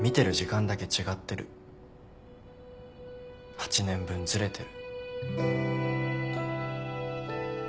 ８年分ずれてる。